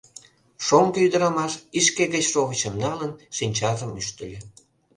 Шоҥго ӱдырамаш, ишке гыч шовычым налын, шинчажым ӱштыльӧ.